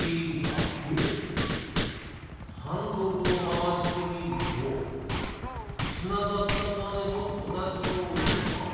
ハンドルをまわしてみるとつながったバネもおなじようにまわる。